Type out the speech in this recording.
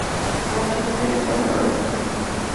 La Chapelle-Saint-Laurent